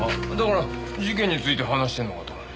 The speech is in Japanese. だから事件について話してんのかと。